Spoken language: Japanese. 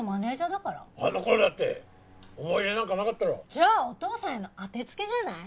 じゃあお父さんへの当てつけじゃない？